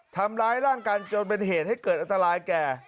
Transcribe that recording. ทำร้ายร่างกายจนเป็นเหตุให้เกิดอันตรายแก่